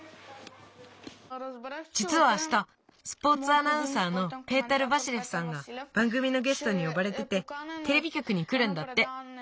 じつはあしたスポーツアナウンサーのペータル・ヴァシレフさんがばんぐみのゲストによばれててテレビきょくにくるんだって。